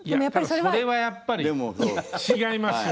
それはやっぱり違いますよ